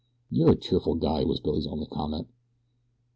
"You're a cheerful guy," was Billy's only comment.